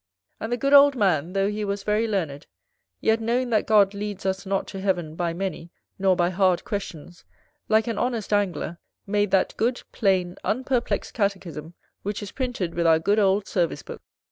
And the good old man, though he was very learned, yet knowing that God leads us not to heaven by many, nor by hard questions, like an honest Angler, made that good, plain, unperplexed Catechism which is printed with our good old Service book.